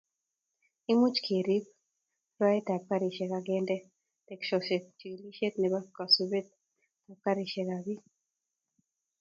Imuch kerib rwaetab garisiek ak kende ketesyosiekab chigilisiet nebo kosubetab garisiekab bik